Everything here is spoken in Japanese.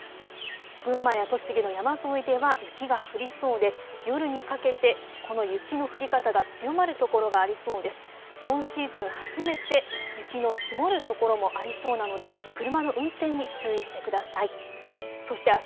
このあと日中も群馬や栃木の山沿いでは雪が降りそうで夜にかけてこの雪の降り方が強まる所がありそうです。